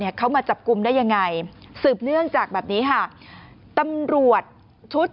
เขามาจับกลุ่มได้ยังไงสืบเนื่องจากแบบนี้ค่ะตำรวจชุด